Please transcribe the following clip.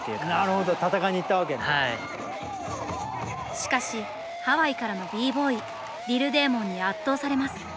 しかしハワイからのＢ−Ｂｏｙリル・デーモンに圧倒されます。